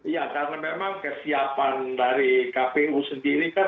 ya karena memang kesiapan dari kpu sendiri kan